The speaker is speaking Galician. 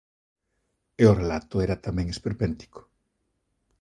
E o relato era tamén esperpéntico.